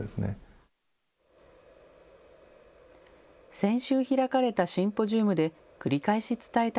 先週開かれたシンポジウムで繰り返し伝えた